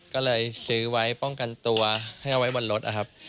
ก็เลยซื้อไว้ป้องกันตัวให้เอาไว้บนรถนะครับ